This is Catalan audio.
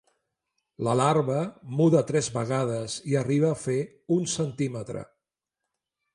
La larva muda tres vegades i arriba a fer un centímetre.